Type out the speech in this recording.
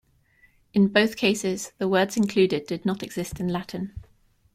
In both cases, the words included did not exist in Latin.